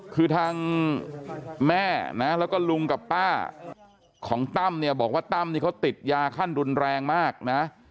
คือทางแม่นะแล้วก็ลุงกับป้าของตั้มเนี่ยบอกว่าตั้มนี่เขาติดยาขั้นรุนแรงมากนะ